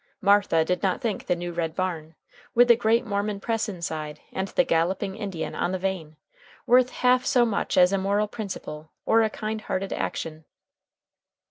Martha did not think the new red barn, with the great Mormon press inside and the galloping Indian on the vane, worth half so much as a moral principle or a kind hearted action.